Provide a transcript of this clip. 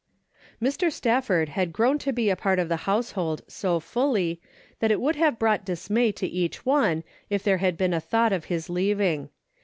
314 DAILY BATE.^^ Mr. Stafford had grown to be a part of the household so fully that it would have brought dismay to each one if there had been a thought of his leaving.